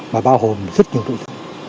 và bao hồn rất nhiều nội dung